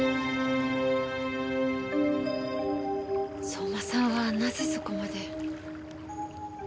相馬さんはなぜそこまで。